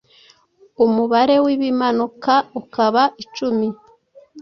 umubare w'Ibimanuka ukaba icumi